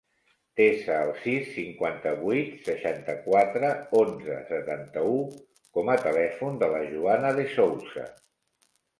Desa el sis, cinquanta-vuit, seixanta-quatre, onze, setanta-u com a telèfon de la Joana De Sousa.